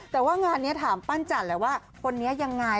แต่ว่างานนี้ถามปั้นจันทร์แหละว่าคนนี้ยังไง